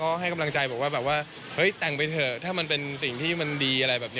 ก็ให้กำลังใจบอกว่าแบบว่าเฮ้ยแต่งไปเถอะถ้ามันเป็นสิ่งที่มันดีอะไรแบบนี้